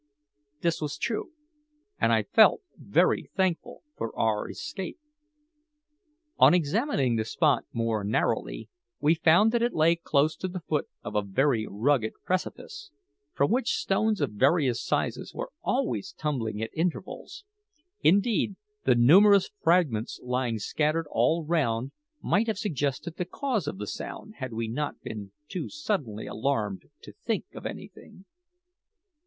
This was true, and I felt very thankful for our escape. On examining the spot more narrowly, we found that it lay close to the foot of a very rugged precipice, from which stones of various sizes were always tumbling at intervals. Indeed, the numerous fragments lying scattered all round might have suggested the cause of the sound had we not been too suddenly alarmed to think of anything.